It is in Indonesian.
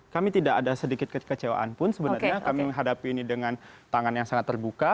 kami tidak ada sedikit kekecewaan pun sebenarnya kami menghadapi ini dengan tangan yang sangat terbuka